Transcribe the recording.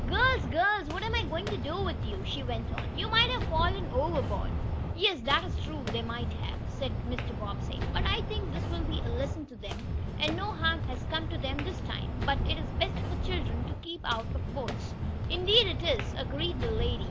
"Girls, girls! What am I going to do to you?" she went on. "You might have fallen overboard." "Yes, that is true, they might have," said Mr. Bobbsey. "But I think this will be a lesson to them, and no harm has come to them this time. But it is best for children to keep out of boats." "Indeed it is," agreed the lady.